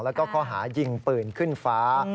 แล้วก็ข้อหายิงปืนขึ้นฟ้า